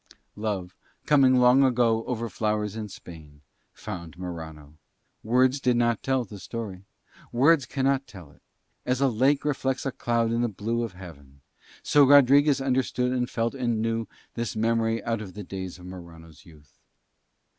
Love, coming long ago over flowers in Spain, found Morano; words did not tell the story, words cannot tell it; as a lake reflects a cloud in the blue of heaven, so Rodriguez understood and felt and knew this memory out of the days of Morano's youth.